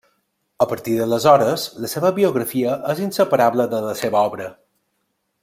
A partir d'aleshores, la seva biografia és inseparable de la seva obra.